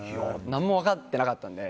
何も分かってなかったので。